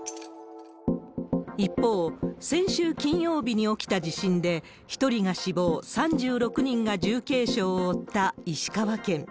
一方、先週金曜日に起きた地震で１人が死亡、３６人が重軽傷を負った石川県。